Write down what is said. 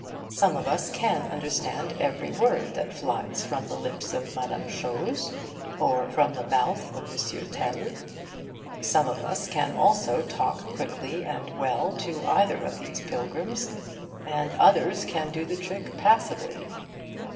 Some of us can understand every word that flies from the lips of Mme. Chose or from the mouth of M. Tel. Some of us can also talk quickly and well to either of these pilgrims; and others can do the trick passably.